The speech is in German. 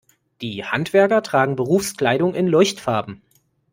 Die Handwerker tragen Berufskleidung in Leuchtfarben.